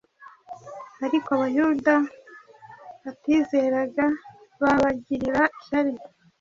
Ariko Abayuda batizeraga babagirira ishyari .”